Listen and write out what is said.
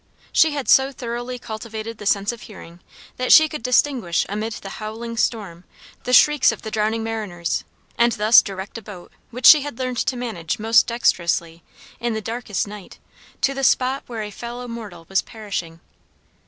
She had so thoroughly cultivated the sense of hearing, that she could distinguish amid the howling storm the shrieks of the drowning mariners, and thus direct a boat, which she had learned to manage most dexterously, in the darkest night, to the spot where a fellow mortal was perishing.